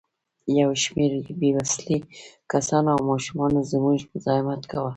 یو شمېر بې وسلې کسانو او ماشومانو زموږ مزاحمت کاوه.